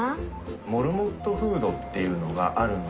モルモットフードっていうのがあるので。